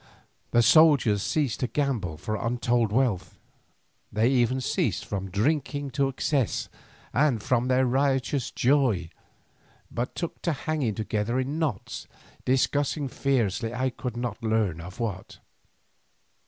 The soldiers ceased to gamble for untold wealth, they even ceased from drinking to excess and from their riotous joy, but took to hanging together in knots discussing fiercely I could not learn of what.